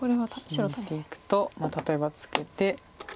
引いていくと例えばツケて。